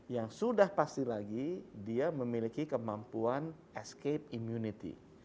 yang sudah pasti lagi dia memiliki kemampuan escape immunity